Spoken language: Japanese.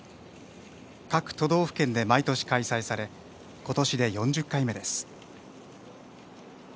各都道府県で毎年開催され今年で４０回目です。